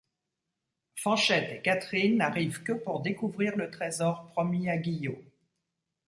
Fanchette et Catherine n’arrivent que pour découvrir le trésor promis à Guillot.